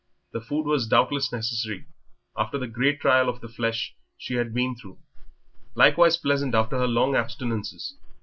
The food was doubtless necessary after the great trial of the flesh she had been through, likewise pleasant after her long abstinences.